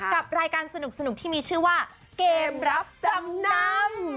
กับรายการสนุกที่มีชื่อว่าเกมรับจำนำ